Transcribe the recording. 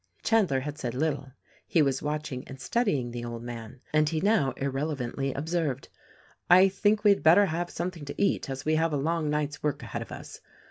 Chandler had said little — he was watching and studying the old man— and he now irrelevantly observed, "I think we had better have something to eat, as we have a long night's work ahead of us."